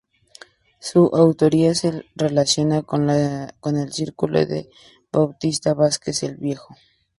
Su autoría se relaciona con el círculo de Bautista Vázquez el Viejo.